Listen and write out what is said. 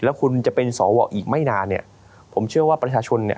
แล้วคุณจะเป็นสวอีกไม่นานเนี่ยผมเชื่อว่าประชาชนเนี่ย